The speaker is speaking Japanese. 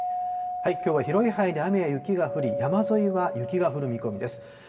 きょうは広い範囲で雨や雪が降り、山沿いは雪が降る見込みです。